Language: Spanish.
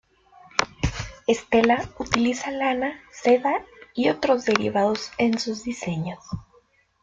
Stella utiliza lana, seda, y otros derivados en sus diseños.